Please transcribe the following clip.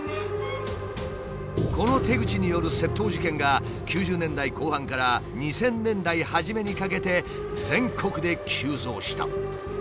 この手口による窃盗事件が９０年代後半から２０００年代初めにかけて全国で急増した。